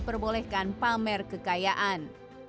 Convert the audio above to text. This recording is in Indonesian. memperbolehkan pamer kekayaan